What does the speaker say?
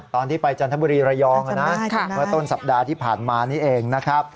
ตอนที่ไปจันทบุรีระยองนะเมื่อต้นสัปดาห์ที่ผ่านมานี้เองนะครับ